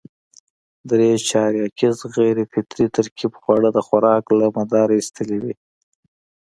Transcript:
درې چارکیز غیر فطري ترکیب خواړه د خوراک له مداره اېستلي وو.